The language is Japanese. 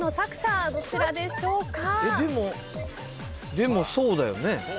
でもそうだよね？